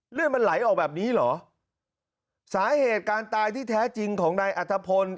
เลือดมันไหลออกแบบนี้เหรอสาเหตุการตายที่แท้จริงของนายอัตภพล